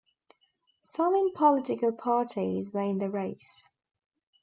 Seven political parties were in the race.